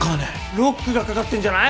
ロックがかかってんじゃない？